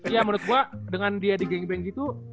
ya menurut gue dengan dia di gangbang gitu